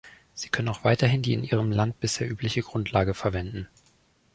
Sie können auch weiterhin die in ihrem Land bisher übliche Grundlage verwenden.